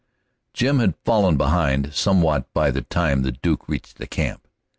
Jim had fallen behind somewhat by the time the Duke reached camp.